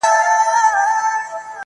دېوالونه سوري كول كله كمال دئ؛